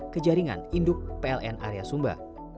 ke jaringan induk pln area sumba